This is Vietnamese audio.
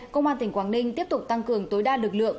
công an tỉnh quảng ninh tiếp tục tăng cường tối đa lực lượng